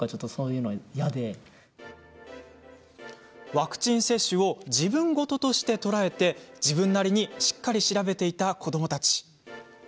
ワクチン接種を自分事として捉え自分なりにしっかり調べていた子どもたち。